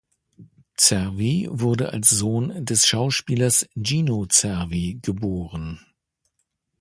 Cervi wurde als Sohn des Schauspielers Gino Cervi geboren.